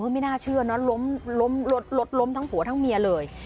ไม่น่าเชื่อนะล้มรถล้มทั้งผัวทั้งเมียเลย